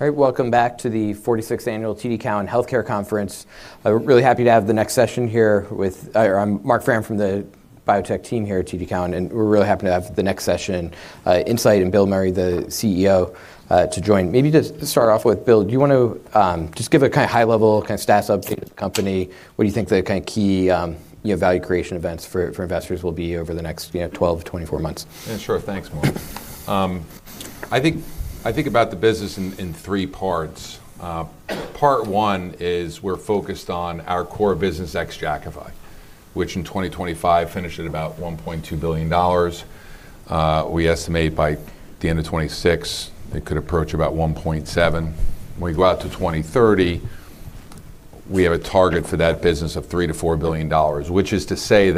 All right. Welcome back to the 46th annual TD Cowen Healthcare Conference. I'm really happy to have the next session here with... I'm Marc Frahm from the biotech team here at TD Cowen, and we're really happy to have the next session, Incyte and Bill Meury, the CEO, to join. Maybe just to start off with, Bill, do you wanna just give a kinda high-level kinda status update of the company? What do you think the kinda key, you know, value creation events for investors will be over the next, you know, 12-24 months? Yeah, sure. Thanks, Marc. I think about the business in 3 parts. Part 1 is we're focused on our core business ex-Jakafi, which in 2025 finished at about $1.2 billion. We estimate by the end of 2026 it could approach about $1.7 billion. We go out to 2030, we have a target for that business of $3 billion-$4 billion, which is to say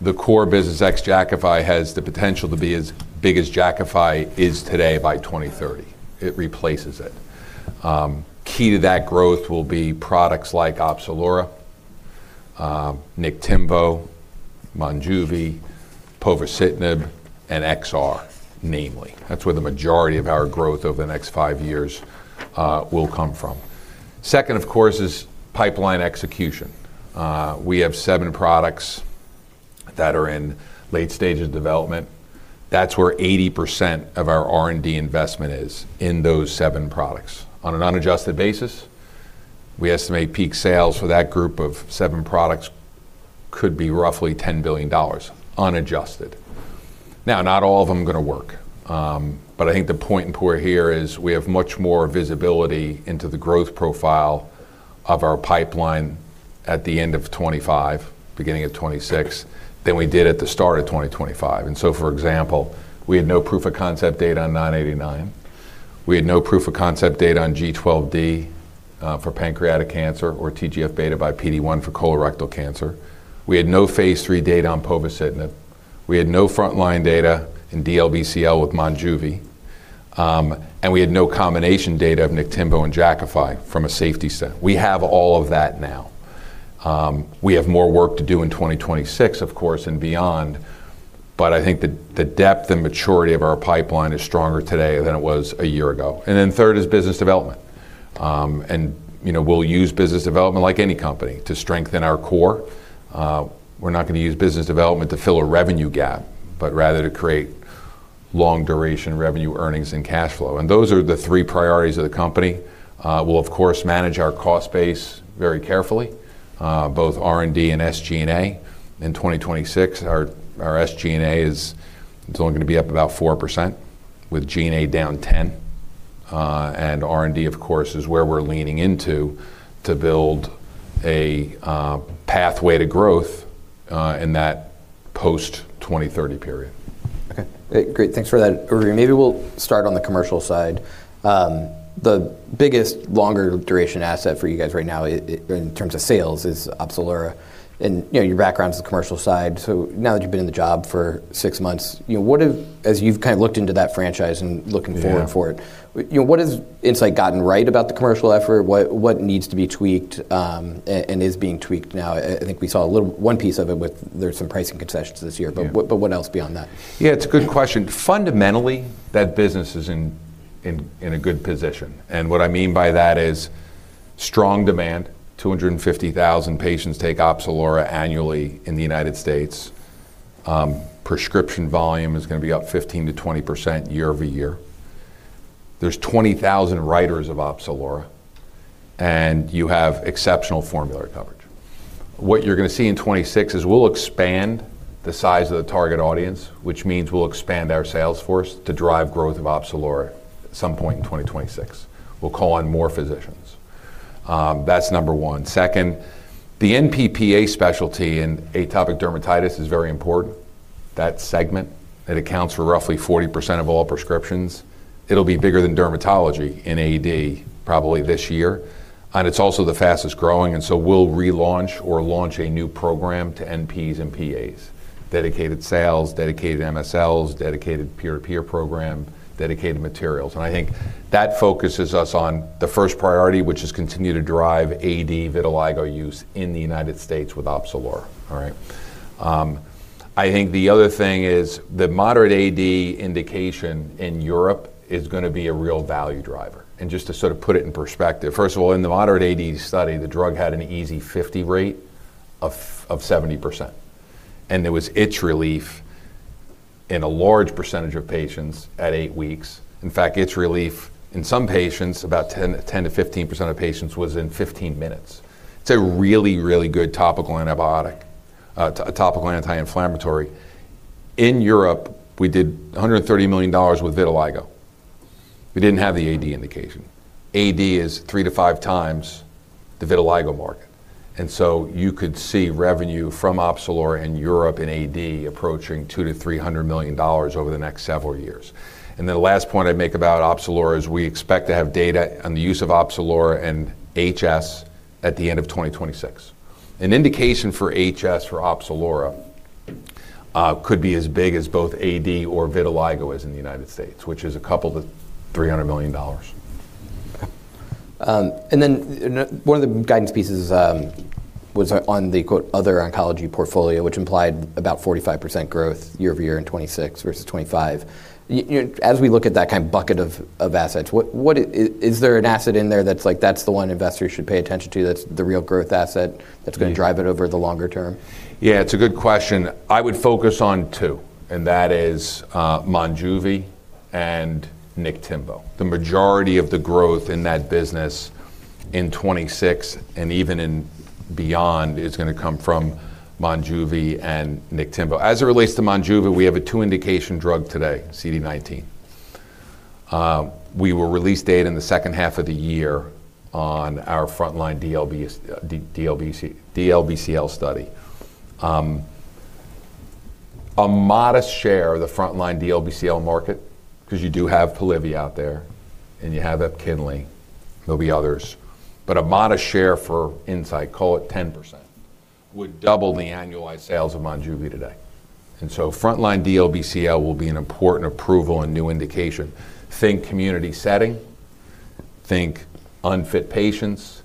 that the core business ex-Jakafi has the potential to be as big as Jakafi is today by 2030. It replaces it. Key to that growth will be products like Opzelura, Niktimvo, Monjuvi, povorcitinib, and XR, namely. That's where the majority of our growth over the next 5 years will come from. Second, of course, is pipeline execution. We have 7 products that are in late stages of development. That's where 80% of our R&D investment is, in those 7 products. On an unadjusted basis, we estimate peak sales for that group of 7 products could be roughly $10 billion unadjusted. Not all of them are gonna work. But I think the point in poor here is we have much more visibility into the growth profile of our pipeline at the end of 25, beginning of 26 than we did at the start of 2025. For example, we had no proof-of-concept data on INCB000928. We had no proof-of-concept data on G12D for pancreatic cancer or TGF-beta / PD-1 for colorectal cancer. We had no phase 3 data on povorcitinib. We had no frontline data in DLBCL with Monjuvi. We had no combination data of Niktimvo and Jakafi. We have all of that now. We have more work to do in 2026, of course, and beyond, but I think the depth and maturity of our pipeline is stronger today than it was a year ago. Third is business development. You know, we'll use business development like any company to strengthen our core. We're not gonna use business development to fill a revenue gap, but rather to create long-duration revenue earnings and cash flow. Those are the three priorities of the company. We'll of course manage our cost base very carefully, both R&D and SG&A. In 2026, our SG&A is only gonna be up about 4% with G&A down 10. R&D, of course, is where we're leaning into to build a pathway to growth in that post-2030 period. Okay. Great. Thanks for that overview. Maybe we'll start on the commercial side. The biggest longer duration asset for you guys right now in terms of sales is Opzelura. You know, your background's the commercial side. Now that you've been in the job for six months, you know, As you've kind of looked into that franchise and looking forward for it. Yeah. You know, what has Incyte gotten right about the commercial effort? What needs to be tweaked and is being tweaked now? I think we saw a little one piece of it with there's some pricing concessions this year. Yeah. What else beyond that? Yeah, it's a good question. Fundamentally, that business is in a good position. What I mean by that is strong demand. 250,000 patients take Opzelura annually in the United States. Prescription volume is gonna be up 15%-20% year-over-year. There's 20,000 writers of Opzelura. You have exceptional formulary coverage. What you're gonna see in 2026 is we'll expand the size of the target audience, which means we'll expand our sales force to drive growth of Opzelura at some point in 2026. We'll call on more physicians. That's number one. Second, the NP/PA specialty in atopic dermatitis is very important. That segment, it accounts for roughly 40% of all prescriptions. It'll be bigger than dermatology in AD probably this year. It's also the fastest-growing, so we'll relaunch or launch a new program to NPs and PAs, dedicated sales, dedicated MSLs, dedicated peer-to-peer program, dedicated materials. I think that focuses us on the first priority, which is continue to drive AD vitiligo use in the United States with Opzelura. All right? I think the other thing is the moderate AD indication in Europe is gonna be a real value driver. Just to sort of put it in perspective, first of all, in the moderate AD study, the drug had an EASI-50 rate of 70%, and there was itch relief in a large percentage of patients at 8 weeks. In fact, itch relief in some patients, about 10-15% of patients, was in 15 minutes. It's a really, really good topical antibiotic, a topical anti-inflammatory. In Europe, we did $130 million with vitiligo. We didn't have the AD indication. AD is three to five times the vitiligo market. You could see revenue from Opzelura in Europe in AD approaching $200 million-$300 million over the next several years. The last point I'd make about Opzelura is we expect to have data on the use of Opzelura in HS at the end of 2026. An indication for HS for Opzelura could be as big as both AD or vitiligo is in the United States, which is $200 million-$300 million. You know, one of the guidance pieces was on the quote, other oncology portfolio, which implied about 45% growth year-over-year in 2026 versus 2025. As we look at that kind of bucket of assets, what is there an asset in there that's like that's the one investors should pay attention to, that's the real growth asset that's gonna drive it over the longer term? Yeah, it's a good question. I would focus on two, and that is, Monjuvi and Niktimvo. The majority of the growth in that business in 2026 and even in beyond is gonna come from Monjuvi and Niktimvo. As it relates to Monjuvi, we have a two indication drug today, CD19. We will release data in the second half of the year on our frontline DLBCL study. A modest share of the frontline DLBCL market, 'cause you do have Polivy out there and you have Epkinly. There'll be others. A modest share for Incyte, call it 10%, would double the annualized sales of Monjuvi today. Frontline DLBCL will be an important approval and new indication. Think community setting, think unfit patients,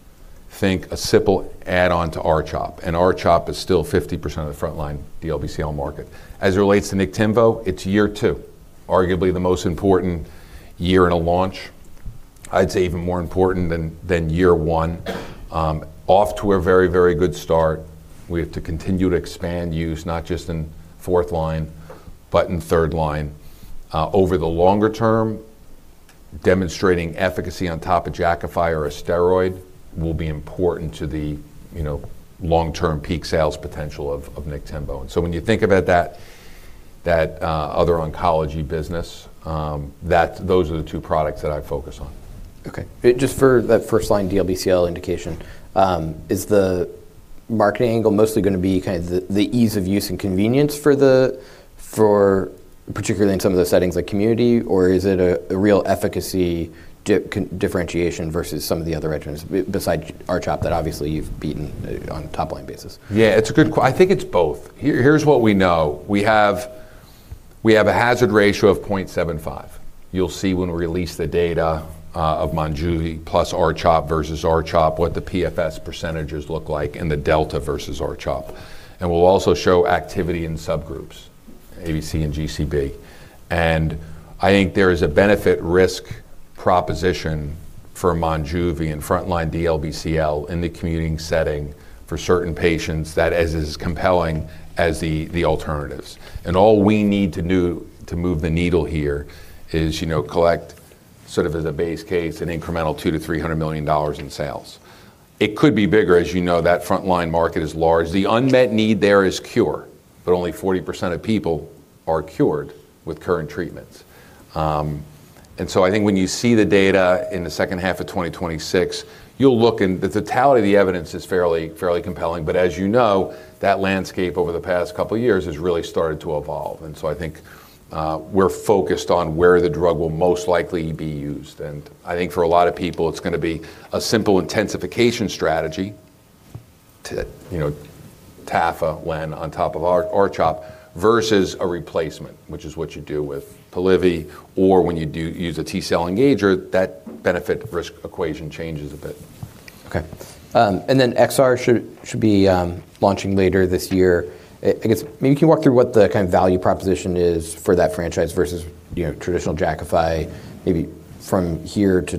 think a simple add-on to R-CHOP, and R-CHOP is still 50% of the frontline DLBCL market. As it relates to Niktimvo, it's year 2, arguably the most important year in a launch. I'd say even more important than year 1. Off to a very, very good start. We have to continue to expand use, not just in 4th line, but in 3rd line. Over the longer term, demonstrating efficacy on top of Jakafi or a steroid will be important to the, you know, long-term peak sales potential of Niktimvo. When you think about that other oncology business, those are the 2 products that I'd focus on. Okay. Just for that first-line DLBCL indication, is the marketing angle mostly gonna be kind of the ease of use and convenience for particularly in some of the settings like community? Is it a real efficacy differentiation versus some of the other agents beside R-CHOP that obviously you've beaten on top line basis? Yeah. It's a good I think it's both. Here's what we know. We have a hazard ratio of 0.75. You'll see when we release the data of Monjuvi plus R-CHOP versus R-CHOP, what the PFS % look like and the delta versus R-CHOP. We'll also show activity in subgroups, ABC and GCB. I think there is a benefit risk proposition for Monjuvi in frontline DLBCL in the commuting setting for certain patients that as is compelling as the alternatives. All we need to do to move the needle here is, you know, collect sort of as a base case an incremental $200 million-$300 million in sales. It could be bigger. As you know, that frontline market is large. The unmet need there is cure, but only 40% of people are cured with current treatments. I think when you see the data in the second half of 2026, you'll look and the totality of the evidence is fairly compelling. As you know, that landscape over the past couple years has really started to evolve. I think we're focused on where the drug will most likely be used. I think for a lot of people, it's gonna be a simple intensification strategy to, you know, Tafasitamab, lenalidomide on top of R-CHOP versus a replacement, which is what you use a T-cell engager, that benefit risk equation changes a bit. XR should be launching later this year. I guess maybe you can walk through what the kind of value proposition is for that franchise versus, you know, traditional Jakafi, maybe from here to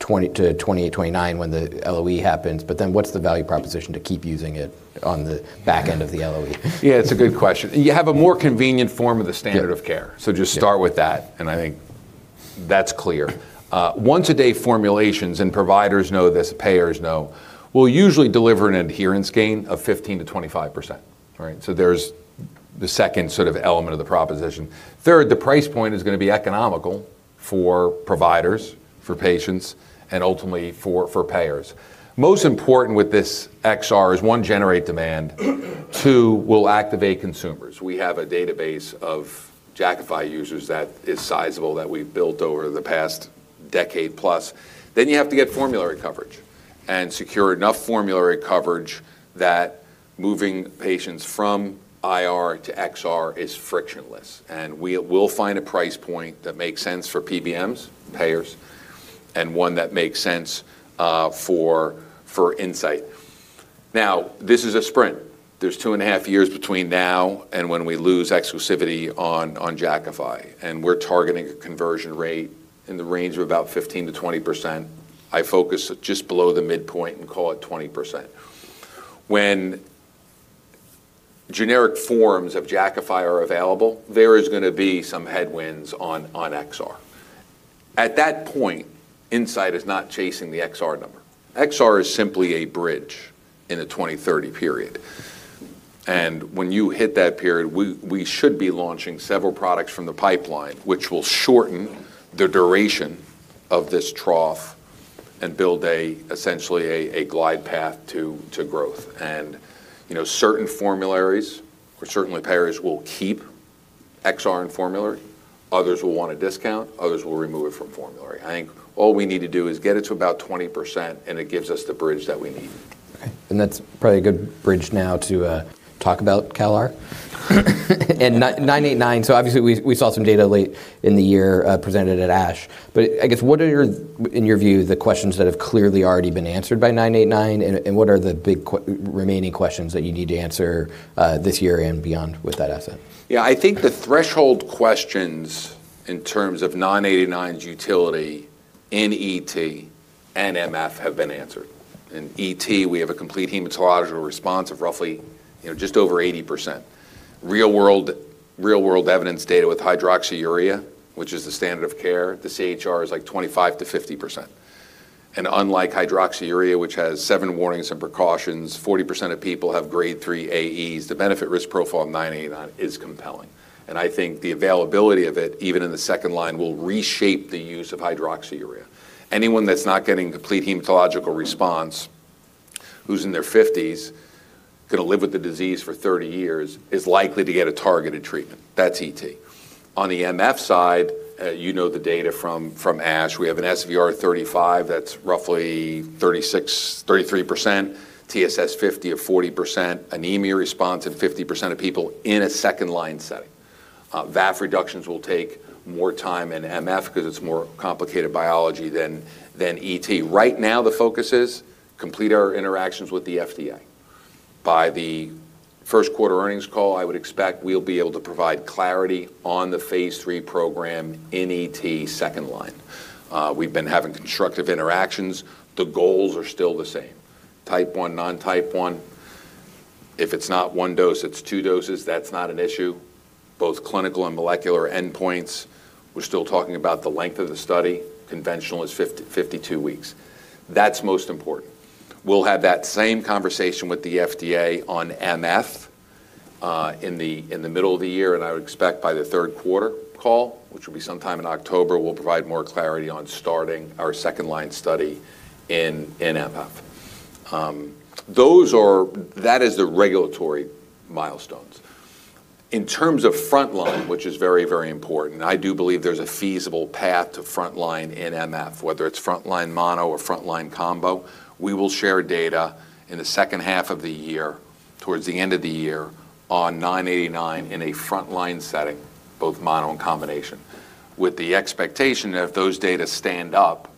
2028, 2029 when the LOE happens. What's the value proposition to keep using it on the back end of the LOE? Yeah, it's a good question. You have a more convenient form of the standard of care. Yeah. Just start with that, and I think that's clear. Once a day formulations, and providers know this, payers know, will usually deliver an adherence gain of 15% to 25%, right? There's the second sort of element of the proposition. Third, the price point is gonna be economical for providers, for patients, and ultimately for payers. Most important with this XR is, 1, generate demand, 2, will activate consumers. We have a database of Jakafi users that is sizable that we've built over the past decade plus. You have to get formulary coverage and secure enough formulary coverage that moving patients from IR to XR is frictionless. We will find a price point that makes sense for PBMs, payers, and one that makes sense for Incyte. This is a sprint. There's two and a half years between now and when we lose exclusivity on Jakafi, and we're targeting a conversion rate in the range of about 15%-20%. I focus just below the midpoint and call it 20%. When generic forms of Jakafi are available, there is gonna be some headwinds on XR. At that point, Incyte is not chasing the XR number. XR is simply a bridge in the 2030 period. When you hit that period, we should be launching several products from the pipeline, which will shorten the duration of this trough and build essentially a glide path to growth. You know, certain formularies or certainly payers will keep XR in formulary. Others will want a discount, others will remove it from formulary. I think all we need to do is get it to about 20%. It gives us the bridge that we need. Okay. That's probably a good bridge now to talk about CALR and INCB000928. Obviously we saw some data late in the year, presented at ASH. I guess, what are your, in your view, the questions that have clearly already been answered by INCB000928, and what are the big remaining questions that you need to answer this year and beyond with that asset? Yeah, I think the threshold questions in terms of INCB000928's utility in ET and MF have been answered. In ET, we have a complete hematological response of roughly, you know, just over 80%. Real-world, real-world evidence data with hydroxyurea, which is the standard of care, the CHR is like 25%-50%. Unlike hydroxyurea, which has 7 warnings and precautions, 40% of people have grade 3 AEs. The benefit risk profile INCB000928 is compelling. I think the availability of it, even in the second line, will reshape the use of hydroxyurea. Anyone that's not getting complete hematological response, who's in their 50s, gonna live with the disease for 30 years, is likely to get a targeted treatment. That's ET. On the MF side, you know, the data from ASH, we have an SVR35 that's roughly 33%, TSS50 or 40%, anemia response in 50% of people in a second-line setting. VAF reductions will take more time in MF 'cause it's more complicated biology than ET. Right now, the focus is complete our interactions with the FDA. By the first quarter earnings call, I would expect we'll be able to provide clarity on the phase 3 program in ET second line. We've been having constructive interactions. The goals are still the same. Type 1, non-type 1. If it's not 1 dose, it's 2 doses, that's not an issue. Both clinical and molecular endpoints, we're still talking about the length of the study. Conventional is 52 weeks. That's most important. We'll have that same conversation with the FDA on MF in the middle of the year. I would expect by the 3rd quarter call, which will be sometime in October, we'll provide more clarity on starting our second line study in MF. That is the regulatory milestones. In terms of frontline, which is very, very important, I do believe there's a feasible path to frontline in MF, whether it's frontline mono or frontline combo. We will share data in the second half of the year, towards the end of the year, INCB000928 in a frontline setting, both mono and combination, with the expectation that if those data stand up,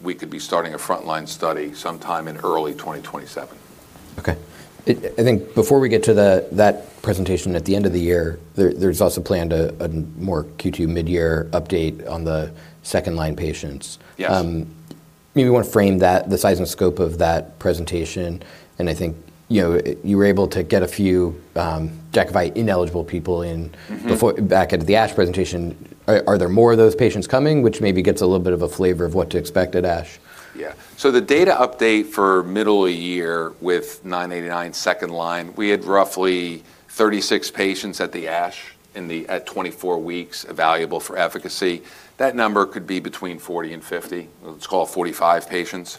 we could be starting a frontline study sometime in early 2027. Okay. I think before we get to that presentation at the end of the year, there's also planned a more Q2 midyear update on the second line patients. Yes. Maybe you wanna frame that, the size and scope of that presentation. I think, you know, you were able to get a few, Jakafi-ineligible people in... Back into the ASH presentation. Are there more of those patients coming, which maybe gets a little bit of a flavor of what to expect at ASH? Yeah. The data update for middle of the year INCB000928 second line, we had roughly 36 patients at the ASH at 24 weeks evaluable for efficacy. That number could be between 40 and 50. Let's call it 45 patients.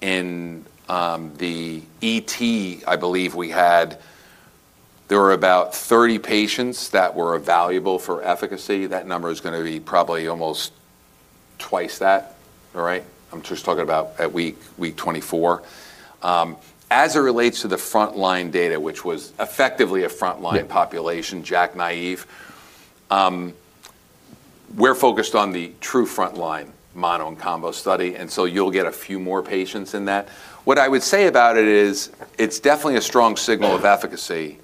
In the ET, I believe there were about 30 patients that were evaluable for efficacy. That number is gonna be probably almost twice that. All right? I'm just talking about at week 24. As it relates to the frontline data, which was effectively a frontline- Yeah ...population, JAK-naive, we're focused on the true frontline mono and combo study, and so you'll get a few more patients in that. What I would say about it is it's definitely a strong signal of efficacy.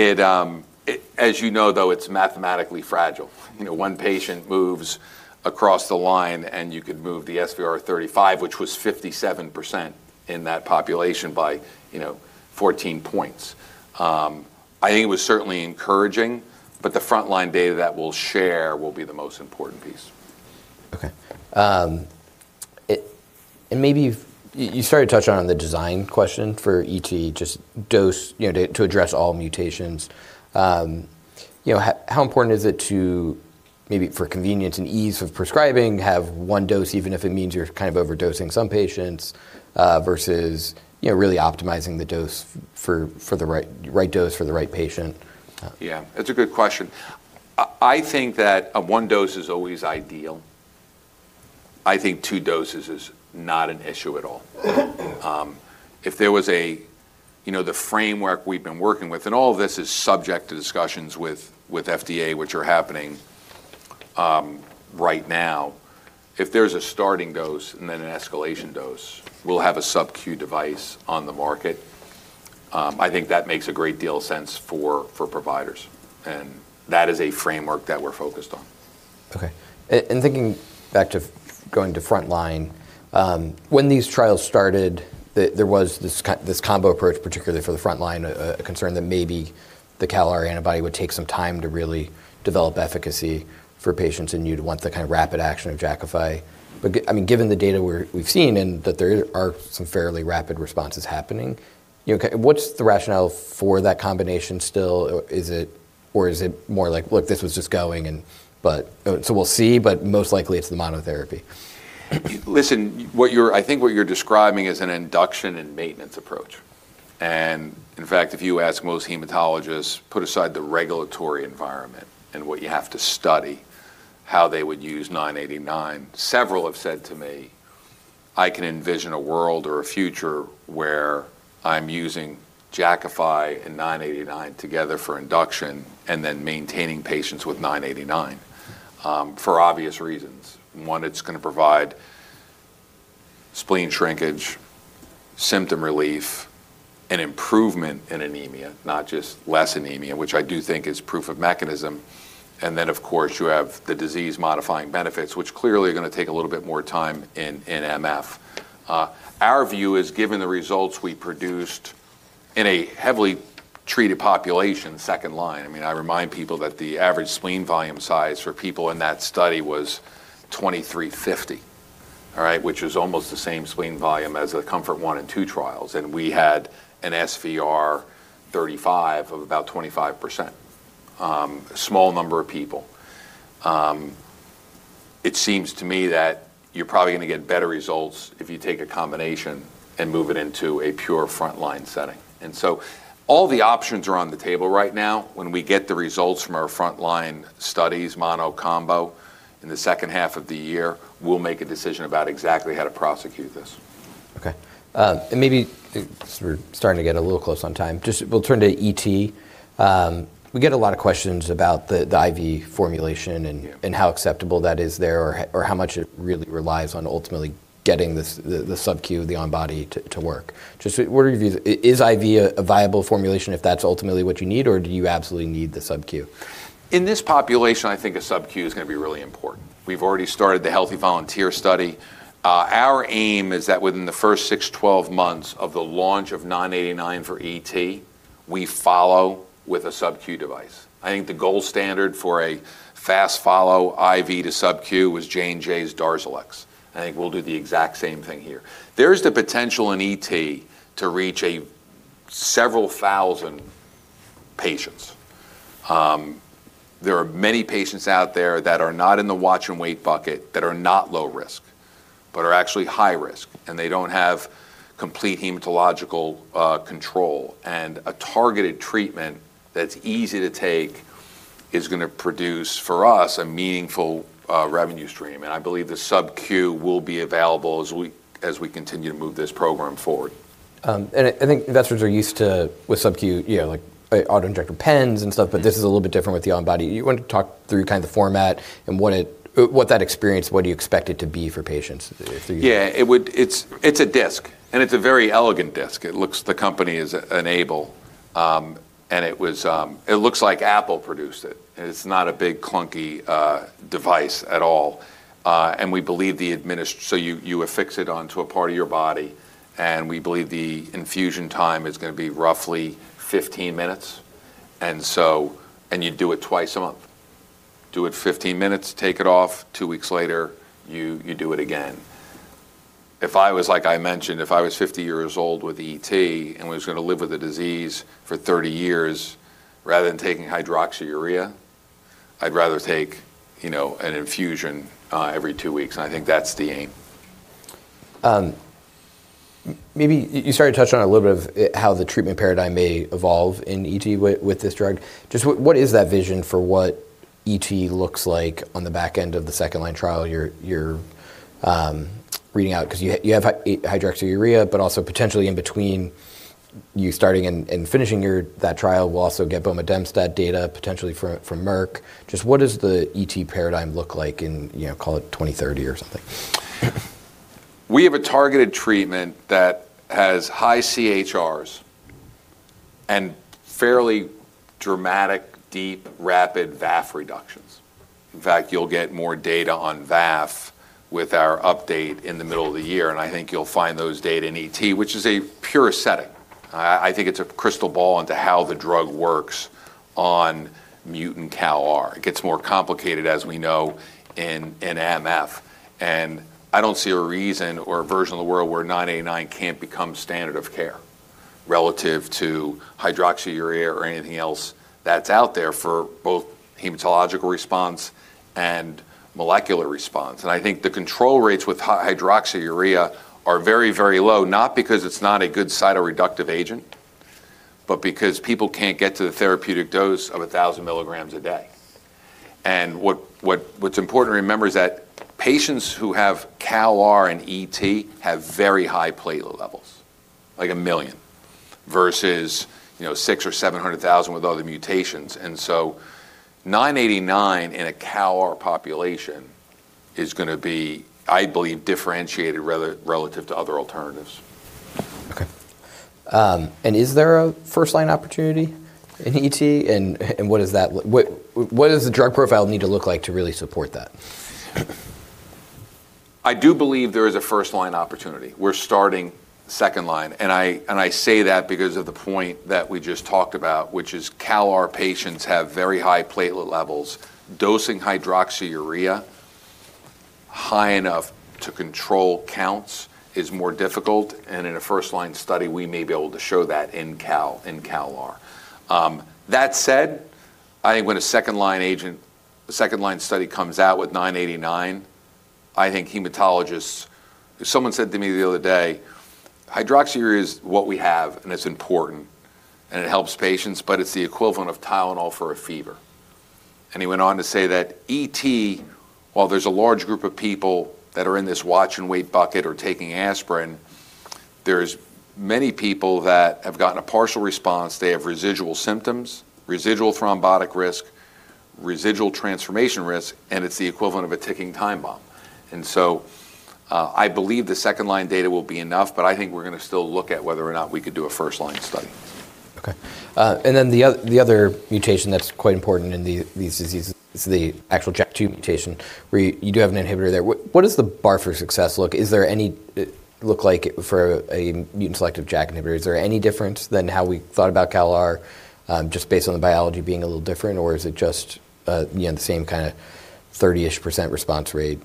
It, as you know, though, it's mathematically fragile. You know, one patient moves across the line, and you could move the SVR35, which was 57% in that population by, you know, 14 points. I think it was certainly encouraging, but the frontline data that we'll share will be the most important piece. Okay. Maybe you started touching on the design question for ET, just dose, you know, to address all mutations. You know, how important is it to, maybe for convenience and ease of prescribing, have one dose, even if it means you're kind of overdosing some patients, versus, you know, really optimizing the dose for the right dose for the right patient? It's a good question. I think that a one dose is always ideal. I think two doses is not an issue at all. If there was a, you know, the framework we've been working with, and all of this is subject to discussions with FDA, which are happening right now. If there's a starting dose and then an escalation dose, we'll have a sub-Q device on the market. I think that makes a great deal of sense for providers, and that is a framework that we're focused on. Okay. Thinking back to going to frontline, when these trials started, there was this combo approach, particularly for the frontline, a concern that maybe the CALR antibody would take some time to really develop efficacy for patients, and you'd want the kind of rapid action of Jakafi. I mean, given the data we've seen and that there are some fairly rapid responses happening, you know, okay, what's the rationale for that combination still? Is it more like, "Look, this was just going and... But, so we'll see, but most likely it's the monotherapy"? Listen, I think what you're describing is an induction and maintenance approach. In fact, if you ask most hematologists, put aside the regulatory environment and what you have to study, how they would use INCB000928, several have said to me, "I can envision a world or a future where I'm using Jakafi and INCB000928 together for induction and then maintaining patients with INCB000928," for obvious reasons. One, it's gonna provide spleen shrinkage, symptom relief and improvement in anemia, not just less anemia, which I do think is proof of mechanism. Then, of course, you have the disease-modifying benefits, which clearly are gonna take a little bit more time in MF. Our view is, given the results we produced in a heavily treated population second line. I mean, I remind people that the average spleen volume size for people in that study was 2,350, all right, which is almost the same spleen volume as the COMFORT-I and COMFORT-II trials, and we had an SVR35 of about 25%. A small number of people. It seems to me that you're probably gonna get better results if you take a combination and move it into a pure frontline setting. All the options are on the table right now. When we get the results from our frontline studies, mono combo, in the second half of the year, we'll make a decision about exactly how to prosecute this. Okay. maybe 'cause we're starting to get a little close on time. Just we'll turn to ET. we get a lot of questions about the IV formulation. Yeah. how acceptable that is there or how much it really relies on ultimately getting the sub-Q, the on body to work. Just what are your views? Is IV a viable formulation if that's ultimately what you need, or do you absolutely need the sub-Q? In this population, I think a sub-Q is gonna be really important. Our aim is that within the first 6-12 months of the launch of INCB000928 for ET, we follow with a sub-Q device. I think the gold standard for a fast follow IV to sub-Q was Johnson & Johnson's Darzalex. I think we'll do the exact same thing here. There is the potential in ET to reach a several thousand patients. There are many patients out there that are not in the watch and wait bucket, that are not low risk, but are actually high risk, and they don't have complete hematological control. A targeted treatment that's easy to take is gonna produce, for us, a meaningful revenue stream, and I believe the sub-Q will be available as we continue to move this program forward. I think investors are used to, with subQ, you know, like, auto-injector pens and stuff. This is a little bit different with the on body. You want to talk through kind of the format and what it, what that experience, what you expect it to be for patients if you? Yeah, it's a disc, and it's a very elegant disc. The company is Enable, and it looks like Apple produced it. It's not a big, clunky device at all. We believe you affix it onto a part of your body, and we believe the infusion time is gonna be roughly 15 minutes, and you do it twice a month. Do it 15 minutes, take it off. Two weeks later, you do it again. If I was, like I mentioned, if I was 50 years old with ET and was gonna live with the disease for 30 years, rather than taking hydroxyurea, I'd rather take, you know, an infusion every two weeks, and I think that's the aim. Maybe you started to touch on it a little bit of how the treatment paradigm may evolve in ET with this drug. Just what is that vision for what ET looks like on the back end of the second-line trial? You're reading out 'cause you have hydroxyurea, but also potentially in between you starting and finishing your, that trial, we'll also get bomedemstat data potentially for, from Merck. Just what does the ET paradigm look like in, you know, call it 2030 or something? We have a targeted treatment that has high CHRs and fairly dramatic, deep, rapid VAF reductions. You'll get more data on VAF with our update in the middle of the year, and I think you'll find those data in ET, which is a pure setting. I think it's a crystal ball into how the drug works on mutant CALR. It gets more complicated, as we know, in MF. I don't see a reason or a version of the world where INCB000928 can't become standard of care relative to hydroxyurea or anything else that's out there for both hematological response and molecular response. I think the control rates with hydroxyurea are very, very low, not because it's not a good cytoreductive agent, but because people can't get to the therapeutic dose of 1,000 milligrams a day. What, what's important to remember is that patients who have CALR and ET have very high platelet levels, like 1 million, versus, you know, 600,000 or 700,000 with other mutations. So INCB000928 in a CALR population is gonna be, I believe, differentiated rather, relative to other alternatives. Okay. Is there a first-line opportunity in ET, and what does the drug profile need to look like to really support that? I do believe there is a first-line opportunity. We're starting second line, and I say that because of the point that we just talked about, which is CALR patients have very high platelet levels. Dosing hydroxyurea high enough to control counts is more difficult, and in a first-line study, we may be able to show that in CALR, in CALR. That said, I think when a second-line study comes out with INCB000928. i think hematologists. Someone said to me the other day, "Hydroxyurea is what we have, and it's important, and it helps patients, but it's the equivalent of Tylenol for a fever." He went on to say that ET, while there's a large group of people that are in this watch-and-wait bucket or taking aspirin, there's many people that have gotten a partial response. They have residual symptoms, residual thrombotic risk, residual transformation risk, and it's the equivalent of a ticking time bomb. I believe the second-line data will be enough. I think we're gonna still look at whether or not we could do a first-line study. Okay. The other mutation that's quite important in these diseases is the actual JAK2 mutation, where you do have an inhibitor there. What does the bar for success look? Is there any look like for a mutant-selective JAK inhibitor? Is there any difference than how we thought about CALR, just based on the biology being a little different? Is it just, you know, the same kinda 30-ish% response rate?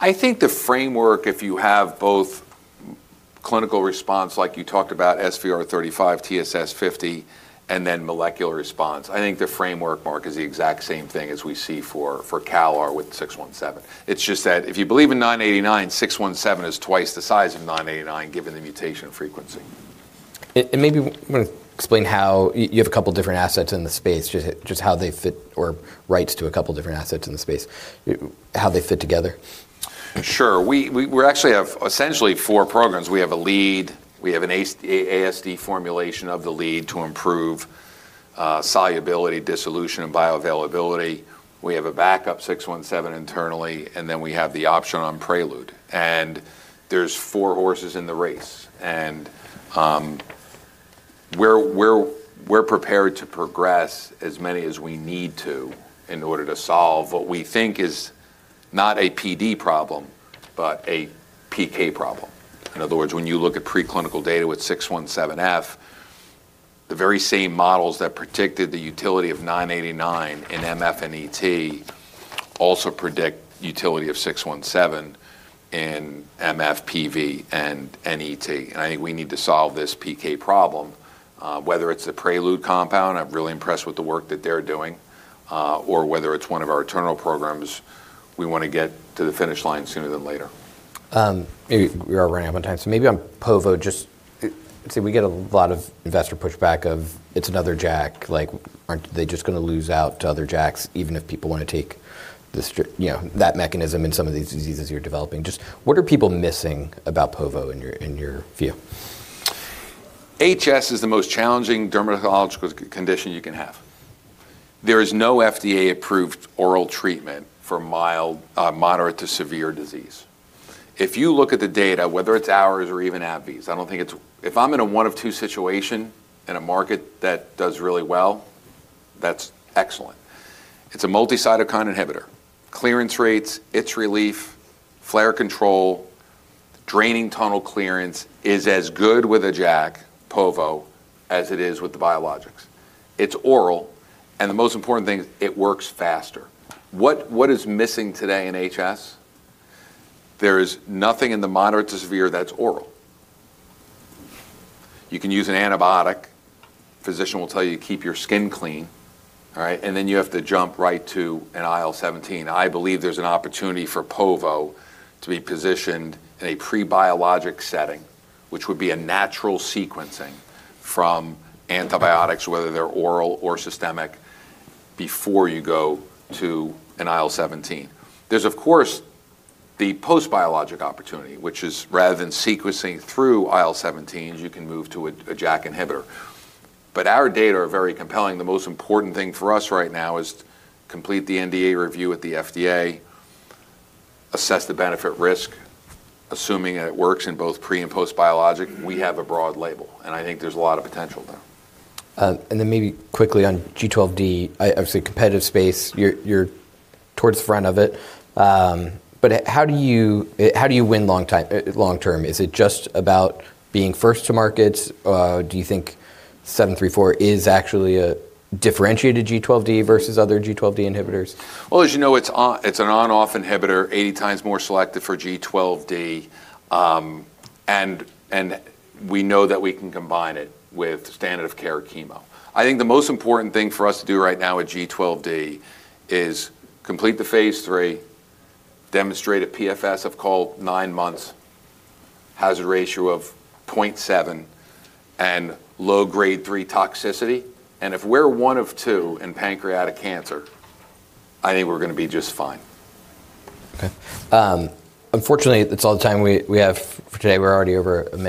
I think the framework, if you have both clinical response, like you talked about, SVR35, TSS50, and then molecular response, I think the framework, Marc, is the exact same thing as we see for CALR with V617F. It's just that if you believe in INCB000928, V617F is 2x the size of INCB000928, given the mutation frequency. Maybe you wanna explain how you have a couple different assets in the space, just how they fit or rights to a couple different assets in the space, how they fit together. Sure. We actually have essentially 4 programs. We have a lead. We have an AC/ASD formulation of the lead to improve solubility, dissolution, and bioavailability. We have a backup V617F inhibitor internally, and then we have the option on Prelude. There's 4 horses in the race, and we're prepared to progress as many as we need to in order to solve what we think is not a PD problem but a PK problem. In other words, when you look at preclinical data with V617F, the very same models that predicted the utility INCB000928 in MF and ET also predict utility of V617F inhibitor in MF, PV, and ET. I think we need to solve this PK problem, whether it's a Prelude compound, I'm really impressed with the work that they're doing, or whether it's one of our internal programs, we wanna get to the finish line sooner than later. Maybe we are running out of time, maybe on povorcitinib, just say we get a lot of investor pushback of it's another JAK, like, aren't they just gonna lose out to other JAKs even if people wanna take the you know, that mechanism in some of these diseases you're developing. Just what are people missing about povorcitinib in your, in your view? HS is the most challenging dermatological condition you can have. There is no FDA-approved oral treatment for mild, moderate to severe disease. If you look at the data, whether it's ours or even AbbVie's, I don't think it's... If I'm in a 1-of-2 situation in a market that does really well, that's excellent. It's a multi-cytokine inhibitor. Clearance rates, itch relief, flare control, draining tunnel clearance is as good with a JAK, povorcitinib, as it is with the biologics. It's oral, and the most important thing, it works faster. What is missing today in HS? There is nothing in the moderate to severe that's oral. You can use an antibiotic. Physician will tell you keep your skin clean, all right? Then you have to jump right to an IL-17. I believe there's an opportunity for povorcitinib to be positioned in a pre-biologic setting, which would be a natural sequencing from antibiotics, whether they're oral or systemic, before you go to an IL-17. There's, of course, the post-biologic opportunity, which is rather than sequencing through IL-seventeens, you can move to a JAK inhibitor. Our data are very compelling. The most important thing for us right now is complete the NDA review with the FDA, assess the benefit risk, assuming that it works in both pre- and post-biologic, we have a broad label, and I think there's a lot of potential there. Then maybe quickly on G12D, I obviously competitive space, you're towards the front of it. How do you, how do you win long term? Is it just about being first to market? Do you think INCB161734 is actually a differentiated G12D versus other G12D inhibitors? Well, as you know, it's an on/off inhibitor, 80 times more selective for G12D, and we know that we can combine it with standard of care chemo. I think the most important thing for us to do right now with G12D is complete the phase 3, demonstrate a PFS of, call it, 9 months, hazard ratio of 0.7, and low grade 3 toxicity. If we're 1 of 2 in pancreatic cancer, I think we're gonna be just fine. Okay. Unfortunately, that's all the time we have for today. We're already over a minute.